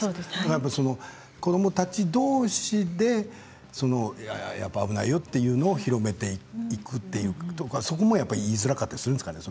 やっぱり、子どもたちどうしでやっぱり危ないよということを広めていくということはそこもやっぱり言いづらかったりするんでしょうかね